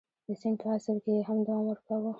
د سید په عصر کې یې هم دوام ورکاوه.